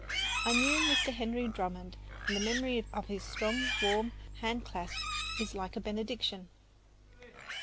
I knew Mr. Henry Drummond, and the memory of his strong, warm hand clasp is like a benediction.